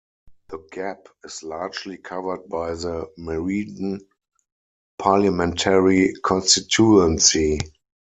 The gap is largely covered by the Meriden parliamentary constituency.